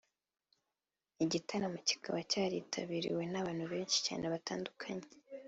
Igitaramo kikaba cyaritabiriwe n’abantu benshi cyane batandukanye